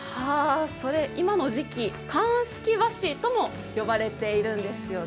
今の時期、寒すき和紙と呼ばれているんですね。